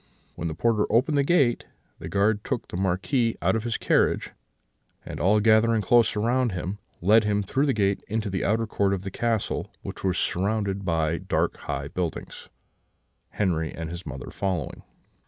When the porter opened the gate, the guard took the Marquis out of the carriage, and, all gathering close round him, led him through the gates into the outer court of the castle, which was surrounded by dark high buildings; Henri and his mother following.